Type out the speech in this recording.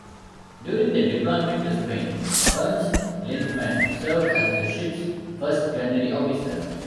During the deployment to Spain, Ernst Lindemann served as the ship's first gunnery officer.